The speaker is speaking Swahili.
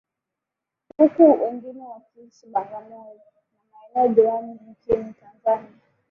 Huku wengine wakiishi Bagamoyo na maeneo jirani nchini Tanzania